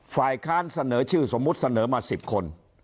ฝ่ายค้านเสนอชื่อสมมุติเสนอมา๑๐คน